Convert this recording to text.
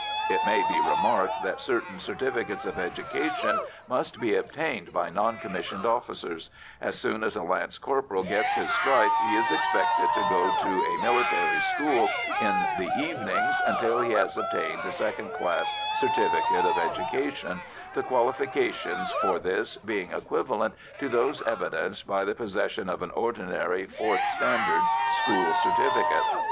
It may be remarked that certain certificates of education must be obtained by non commissioned officers; as soon as a lance corporal gets his stripe he is expected to go to a military school in the evenings until he has obtained a second class certificate of education, the qualifications for this being equivalent to those evidenced by the possession of an ordinary fourth standard school certificate.